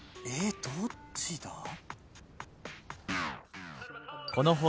えっどっちだ？